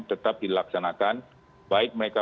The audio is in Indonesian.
tetap dilaksanakan baik mereka